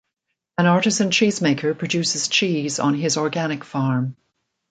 An artisan cheesemaker produces cheese on his organic farm.